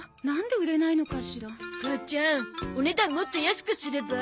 母ちゃんお値段もっと安くすれば？